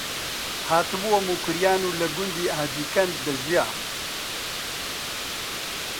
هاتبووە موکریان و لە گوندی ئاجیکەند دەژیا